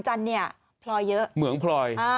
ชาติอาจารย์นี้ผลอยเยอะเหมืองผลอย